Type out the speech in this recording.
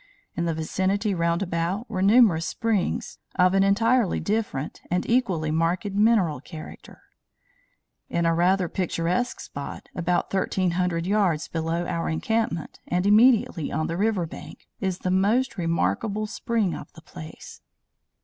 In the vicinity round about were numerous springs of an entirely different and equally marked mineral character. In a rather picturesque spot, about 1,300 yards below our encampment and immediately on the river bank, is the most remarkable spring of the place.